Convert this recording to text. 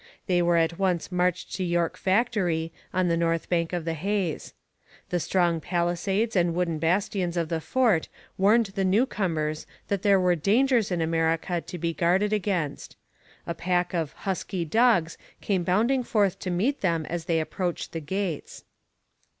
They were at once marched to York Factory, on the north bank of the Hayes. The strong palisades and wooden bastions of the fort warned the newcomers that there were dangers in America to be guarded against. A pack of 'husky' dogs came bounding forth to meet them as they approached the gates.